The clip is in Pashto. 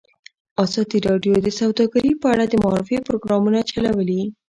ازادي راډیو د سوداګري په اړه د معارفې پروګرامونه چلولي.